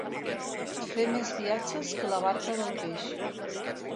Fer més viatges que la barca del peix.